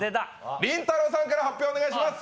りんたろーさんから発表をお願いします！！